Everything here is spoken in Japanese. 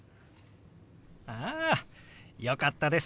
あよかったです。